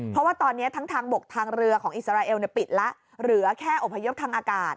เพราะว่าตอนนี้ทั้งทางบกทางเรือของอิสราเอลปิดแล้วเหลือแค่อพยพทางอากาศ